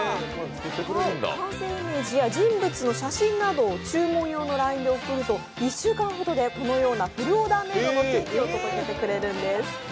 完成イメージや人物の写真を注文用のＬＩＮＥで送ると１週間ほどで、フルオーダーメイドのケーキを届けてくれるんです。